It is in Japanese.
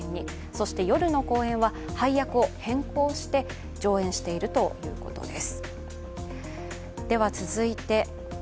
そして夜の公演は配役を変更して上演しているということです。